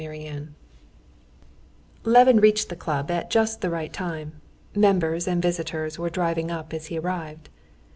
Chapter 7 Levin reached the club just at the right time. Members and visitors were driving up as he arrived.